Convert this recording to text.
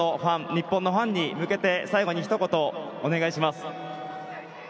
日本のファンに向けて最後にひと言、お願いします。